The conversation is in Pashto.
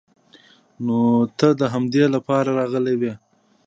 نو ته د همدې د پاره راغلې وې.